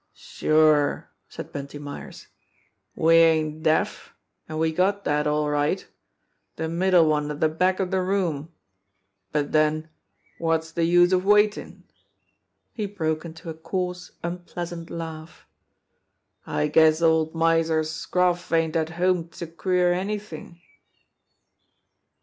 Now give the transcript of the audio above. "Sure!" said Bunty Myers. "We ain't deef, an' we got dat, all right de middle one at de back of de room. But, den, wot's de use of waitin' ?" He broke into a coarse, un< pleasant laugh. "I guess old Miser Scroff ain't at home to queer any thin' !"